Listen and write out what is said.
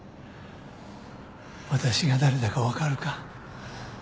私が誰だか分かるか？